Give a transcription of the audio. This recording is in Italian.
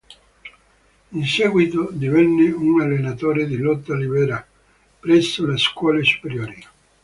In seguito divenne un allenatore di lotta libera presso le scuole superiori.